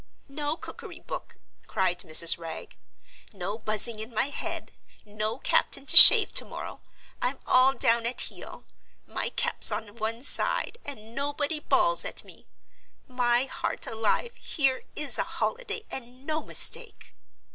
"No cookery book!" cried Mrs. Wragge. "No Buzzing in my head! no captain to shave to morrow! I'm all down at heel; my cap's on one side; and nobody bawls at me. My heart alive, here is a holiday and no mistake!"